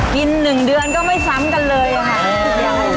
กินหนึ่งเดือนก็ไม่ซ้ำกันเลยอ่ะค่ะ